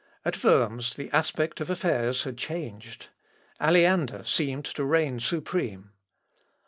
At Worms, the aspect of affairs had changed. Aleander seemed to reign supreme.